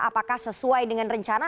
apakah sesuai dengan rencana